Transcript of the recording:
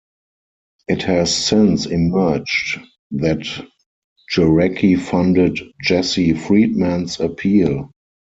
It has since emerged that Jarecki funded Jesse Friedman's appeal.